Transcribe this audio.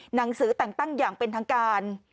หนังสือแต่งตั้งอย่างเป็นทางการ